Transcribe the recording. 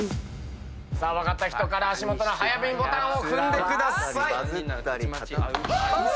分かった人から足元の早踏みボタンを踏んでください。